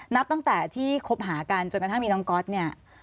นับตั้งแต่ที่คบหากันจนกระทั่งมีน้องก๊อตเนี่ย